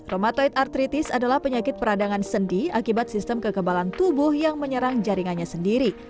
romatoid artritis adalah penyakit peradangan sendi akibat sistem kekebalan tubuh yang menyerang jaringannya sendiri